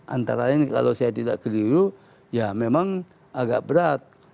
antara lain kalau saya tidak keliru ya memang agak berat